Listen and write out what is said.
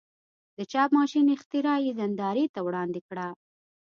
د چاپ ماشین اختراع یې نندارې ته وړاندې کړه.